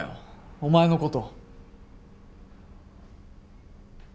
お前のこと。